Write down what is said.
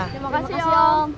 terima kasih om